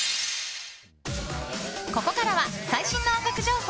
ここからは最新の音楽情報。